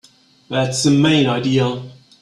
That's the main idea.